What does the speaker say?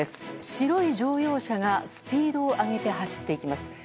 白い乗用車がスピードを上げて走っていきます。